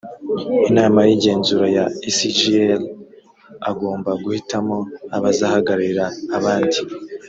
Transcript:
inama y igenzura ya icglr agomba guhitamo abazahagararira abandi